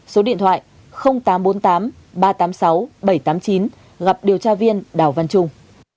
số điện thoại tám trăm bốn mươi tám ba trăm tám mươi sáu bảy trăm tám mươi chín gặp điều tra viên đào văn trung